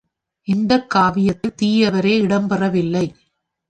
இந்தக் காவியத்தில் தீயவரே இடம் பெறவில்லை.